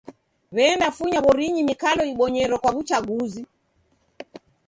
W'endafunya w'orinyi mikalo ibonyero kwa w'uchaguzi.